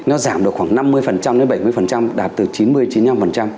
nó giảm được khoảng năm mươi đến bảy mươi đạt từ chín mươi đến chín mươi năm